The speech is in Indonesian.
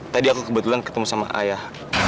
tadi aku kebetulan ketemu sama ayah